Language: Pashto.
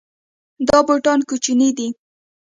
دا بوټان کوچني دي